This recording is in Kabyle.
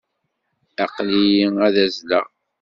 Aql-iyi ad azzleɣ.